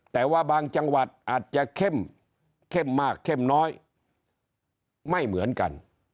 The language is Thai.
แต่ว่าบางจังหวัดอาจจะเข้มเข้มมากเข้มน้อยไม่เหมือนกัน